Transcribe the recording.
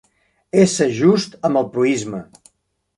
Ésser just amb el proïsme.